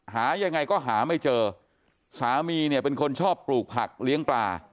หายังไงก็หาไม่เจอสามีเนี่ยเป็นคนชอบปลูกผักเลี้ยงปลา